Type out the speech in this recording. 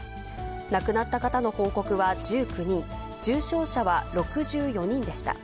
亡くなった方の報告は１９人、重症者は６４人でした。